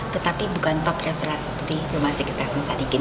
tetapi bukan top refer seperti rumah sakit hasan sadikin